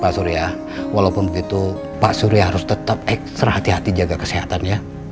pak surya walaupun begitu pak surya harus tetap ekstra hati hati jaga kesehatan ya